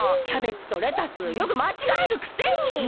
キャベツとレタスよくまちがえるくせに！